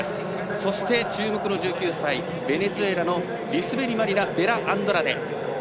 そして、注目の１９歳ベネズエラのリスベリマリナ・ベラアンドラデ。